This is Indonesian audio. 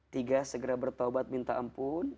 tiga segera bertaubat minta ampun